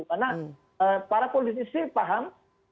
karena para politisi paham